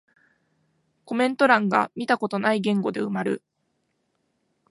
コメント欄が見たことない言語で埋まる